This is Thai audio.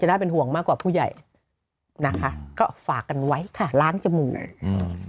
น่าเป็นห่วงมากกว่าผู้ใหญ่นะคะก็ฝากกันไว้ค่ะล้างจมูกอืม